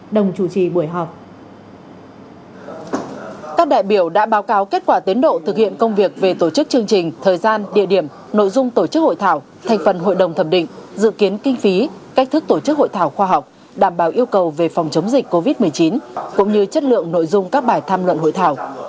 đồng chủ trì các đại biểu đã báo cáo kết quả tiến độ thực hiện công việc về tổ chức chương trình thời gian địa điểm nội dung tổ chức hội thảo thành phần hội đồng thẩm định dự kiến kinh phí cách thức tổ chức hội thảo khoa học đảm bảo yêu cầu về phòng chống dịch covid một mươi chín cũng như chất lượng nội dung các bài tham luận hội thảo